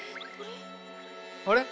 あれ？